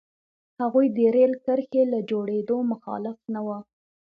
هغوی د رېل کرښې له جوړېدو مخالف نه وو.